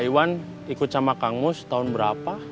iwan ikut sama kang mus tahun berapa